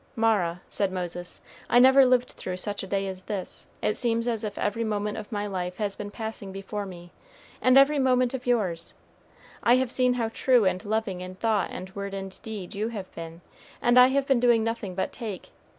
"Mara," said Moses, "I never lived through such a day as this. It seems as if every moment of my life had been passing before me, and every moment of yours. I have seen how true and loving in thought and word and deed you have been, and I have been doing nothing but take.